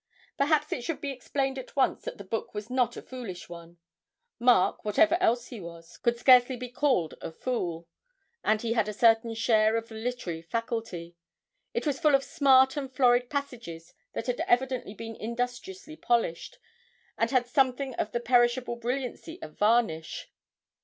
Perhaps it should be explained at once that the book was not a foolish one; Mark, whatever else he was, could scarcely be called a fool, and had a certain share of the literary faculty; it was full of smart and florid passages that had evidently been industriously polished, and had something of the perishable brilliancy of varnish.